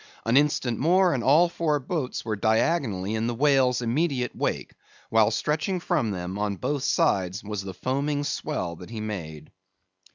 An instant more, and all four boats were diagonically in the whale's immediate wake, while stretching from them, on both sides, was the foaming swell that he made.